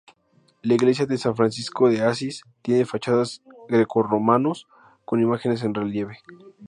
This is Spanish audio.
La iglesia de San Francisco de Asís tiene fachadas grecorromanos con imágenes en relieve.